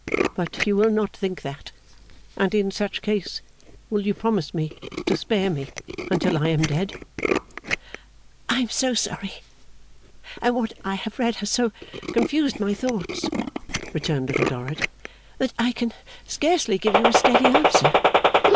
But you will not think that; and in such case, will you promise me to spare me until I am dead?' 'I am so sorry, and what I have read has so confused my thoughts,' returned Little Dorrit, 'that I can scarcely give you a steady answer.